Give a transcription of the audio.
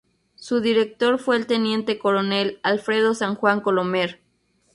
Su director fue el teniente coronel Alfredo San Juan Colomer.